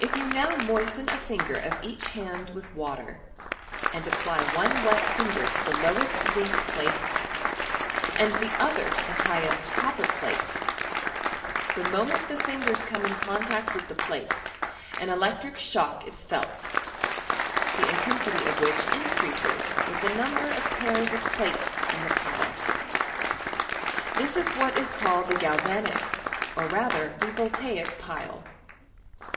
If ^ou now moisten a finder of each hand with water, and apply one wet finger to the lowest zinc plate, and the other to the fa^hest copper plate, the moment the fingers oome in contact with the plates an electric shock is Celt, the intensity of which increases with the number af pairs of plates in the pile. This is what is called the Galvanic, or rather the Voltaic pile.